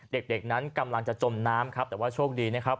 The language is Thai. เด็กนั้นกำลังจะจมน้ำครับแต่ว่าโชคดีนะครับ